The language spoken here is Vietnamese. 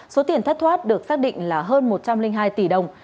số tiền thất thoát được xác định là hơn một trăm linh hai tỷ đồng